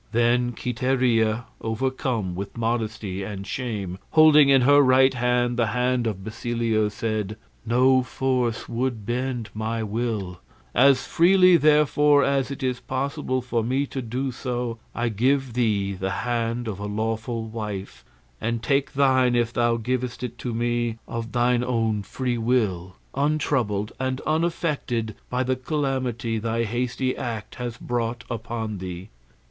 Then Quiteria, overcome with modesty and shame, holding in her right hand the hand of Basilio, said, "No force would bend my will; as freely, therefore, as it is possible for me to do so, I give thee the hand of a lawful wife, and take thine if thou givest it to me of thine own free will, untroubled and unaffected by the calamity thy hasty act has brought upon thee."